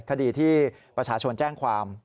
คดีที่ประชาชนแจ้งความ